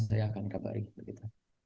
saya akan terbaik